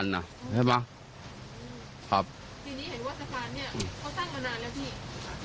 ทีนี้เห็นว่าสะพานนี้เขาตั้งมานานแล้วพี่